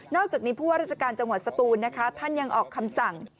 นอกจากนี้ผู้หญิงตัวราชการจังหวัดสตูร์ท่านยังออกคำสั่ง